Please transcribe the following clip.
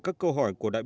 các câu hỏi của đại bộ